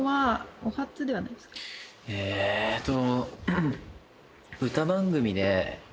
えーっと。